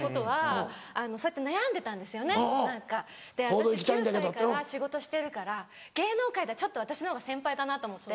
私９歳から仕事してるから芸能界ではちょっと私のほうが先輩だなと思って。